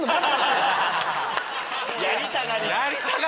やりたがり。